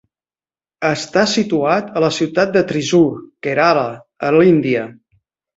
Està situat a la ciutat de Thrissur, Kerala, a l'Índia.